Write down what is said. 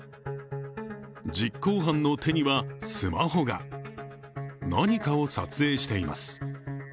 実行犯の手にはスマホが何かを撮影しています。